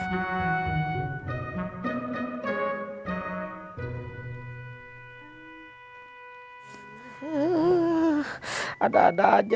itu yang saya lakukan ya